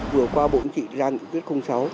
vừa qua bộ trị ra nghị quyết sáu